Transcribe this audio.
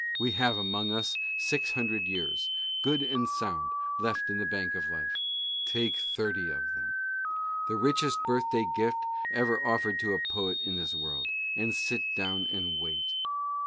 We have among us six hundred years, good and sound, left in the bank of life. Take thirty of them — the richest birthday gift ever offered to poet in this world — and sit down and wait.